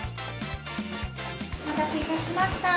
おまたせいたしました。